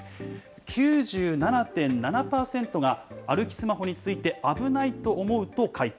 ９７．７％が、歩きスマホについて危ないと思うと回答。